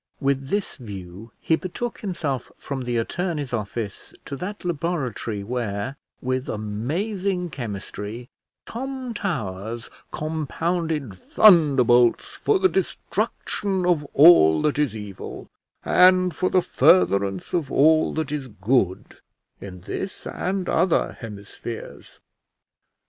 With this view he betook himself from the attorneys' office to that laboratory where, with amazing chemistry, Tom Towers compounded thunderbolts for the destruction of all that is evil, and for the furtherance of all that is good, in this and other hemispheres.